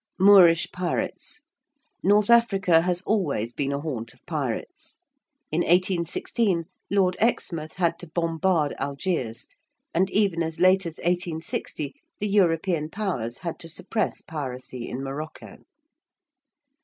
~Moorish pirates~: North Africa has always been a haunt of pirates. In 1816 Lord Exmouth had to bombard Algiers, and even as late as 1860 the European Powers had to suppress piracy in Morocco.